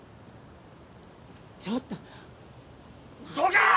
ちょっとどけー！